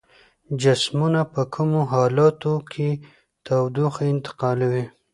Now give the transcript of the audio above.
جسمونه په کومو حالتونو کې تودوخه انتقالوي؟